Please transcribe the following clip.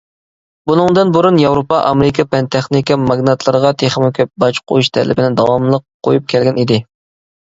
بۇنىڭدىن بۇرۇن ياۋروپا ئامېرىكا پەن-تېخنىكا ماگناتلىرىغا تېخىمۇ كۆپ باج قويۇش تەلىپىنى داۋاملىق قويۇپ كەلگەن ئىدى.